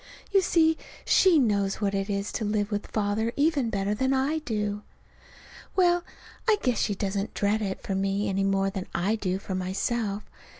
You see, she knows what it is to live with Father even better than I do. Well, I guess she doesn't dread it for me any more than I do for myself.